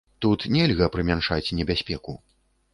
Тут нельга прымяншаць небяспеку.